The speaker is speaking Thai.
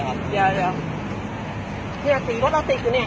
นี่ไงตำรวจมานะ